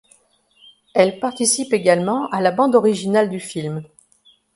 Elle participe également à la bande originale du film.